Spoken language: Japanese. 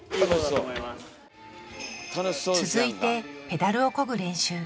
続いてペダルをこぐ練習。